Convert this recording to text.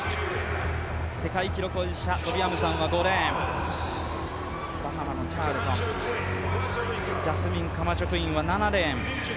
世界記録保持者、トビ・アムサンは５レーン、バハマのチャールトン、ジャスミン・カマチョクインは７レーン。